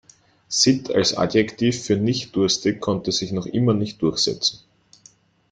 Sitt als Adjektiv für nicht-durstig konnte sich noch immer nicht durchsetzen.